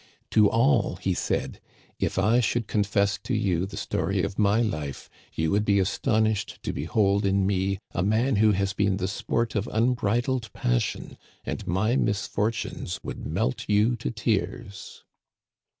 "To all he said: *If I should confess to you the story of my life, you would be astonished to behold in me a man who has been the sport of unbridled passion, and my misfortunes would melt you to tears.'